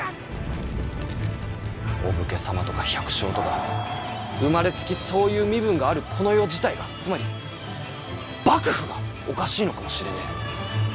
お武家様とか百姓とか生まれつきそういう身分があるこの世自体がつまり幕府がおかしいのかもしれねぇ。